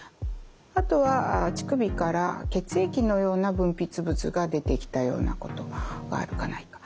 あとは乳首から血液のような分泌物が出てきたようなことがあるかないか。